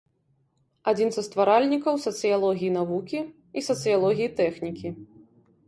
Адзін са стваральнікаў сацыялогіі навукі і сацыялогіі тэхнікі.